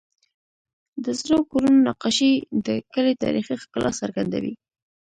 د زړو کورونو نقاشې د کلي تاریخي ښکلا څرګندوي.